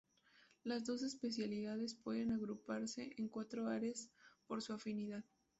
Las doce especialidades pueden agruparse en cuatro áreas por su afinidad.